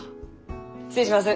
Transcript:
失礼します。